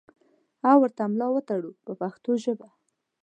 او ورته ملا وتړو په پښتو ژبه.